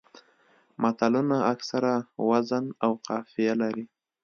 متلونه اکثره وزن او قافیه لري